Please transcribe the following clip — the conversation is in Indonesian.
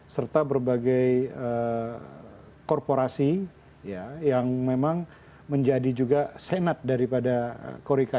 serta berbagai korporasi yang memang menjadi juga senat daripada korika